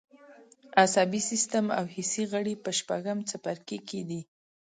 عصبي سیستم او حسي غړي په شپږم څپرکي کې دي.